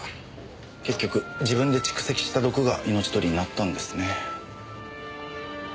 結局自分で蓄積した毒が命取りになったんですね。